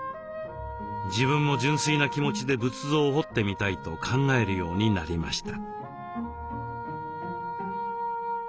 自分も純粋な気持ちで仏像を彫ってみたいと考えるようになりました。